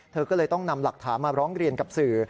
เธอก็เลยต้องนำหลักฐานมาร้องเรียนกับสื่อ